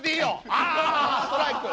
あストライク！